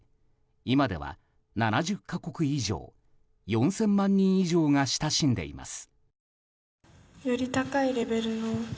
今では７０か国以上４０００万人以上が親しんでいます。